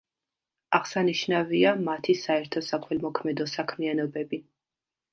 აღსანიშნავია მათი საერთო საქველმოქმედო საქმიანობები.